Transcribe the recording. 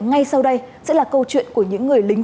ngay sau đây sẽ là câu chuyện của những người lính